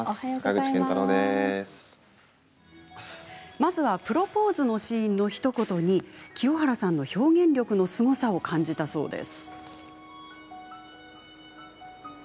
まずは、プロポーズのシーンのひと言に、清原さんの表現力のすごさを感じたそうです。